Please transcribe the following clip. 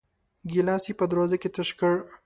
ګيلاس يې په دروازه کې تش کړ.